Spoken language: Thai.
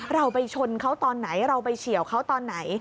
เราไปชนเขาตอนไหนเราไปเฉียวเขาตอนไหน